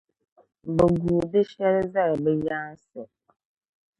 bɛ guui di shɛli zali bɛ yaansi.